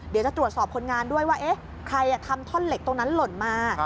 เดี๋ยวจะตรวจสอบคนงานด้วยว่าเอ๊ะใครทำท่อนเหล็กตรงนั้นหล่นมา